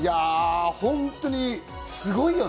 本当にすごいよね。